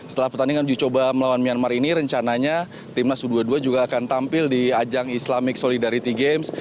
setelah pertandingan uji coba melawan myanmar ini rencananya timnas u dua puluh dua juga akan tampil di ajang islamic solidarity games